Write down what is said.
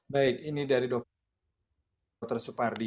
baik ini dari dr supardi